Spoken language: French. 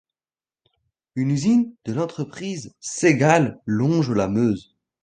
Une usine de l'entreprise Segal longe la Meuse.